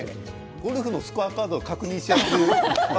ゴルフのスコアカードを確認し合ってるみたい。